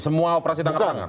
semua operasi tangkap tangan